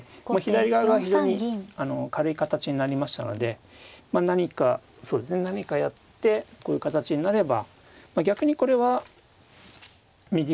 左側が非常に軽い形になりましたのでまあ何かそうですね何かやってこういう形になれば逆にこれは右側を後手が制圧した感じになりますので。